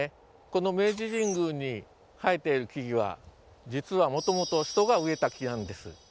この明治神宮に生えている木々は実はもともと人が植えた木なんです。